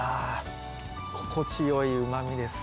心地よいうまみです。